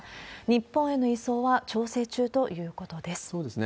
日本への移送は調整中ということです。